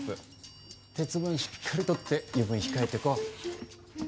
鉄分しっかりとって油分、控えてこ！